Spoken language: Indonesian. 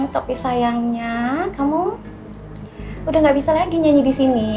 tapi sayangnya kamu udah gak bisa lagi nyanyi disini